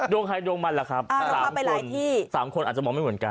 โดงใครโดงมันล่ะครับสามคนอาจจะมองไม่เหมือนกัน